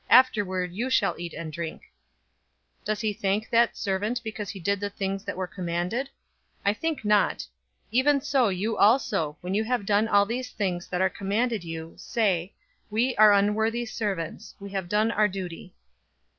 Afterward you shall eat and drink'? 017:009 Does he thank that servant because he did the things that were commanded? I think not. 017:010 Even so you also, when you have done all the things that are commanded you, say, 'We are unworthy servants. We have done our duty.'"